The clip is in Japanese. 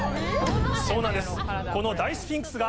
そうなんですこの。